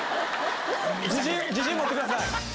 自信持ってください。